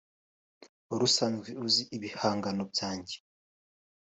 wari usanzwe uzi ibihangano byanjye